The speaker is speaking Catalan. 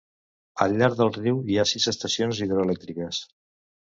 Al llarg del riu hi ha sis estacions hidroelèctriques.